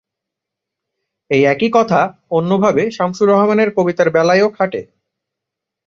এই একই কথা অন্যভাবে শামসুর রাহমানের কবিতার বেলায়ও খাটে।